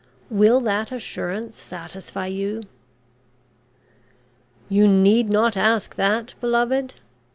Will that assurance satisfy you?" "You need not ask that, beloved?